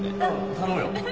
頼むよ。